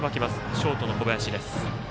ショートの小林です。